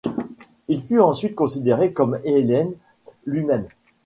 Il fut ensuite considéré comme Éléen lui-même.